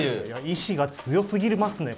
意志が強すぎますね